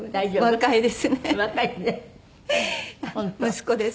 「息子です」。